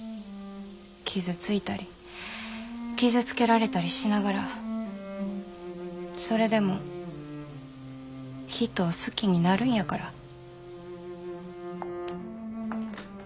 傷ついたり傷つけられたりしながらそれでも人を好きになるんやから。